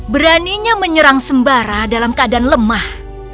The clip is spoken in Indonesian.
beraninya menyerang sembara dalam keadaan lemah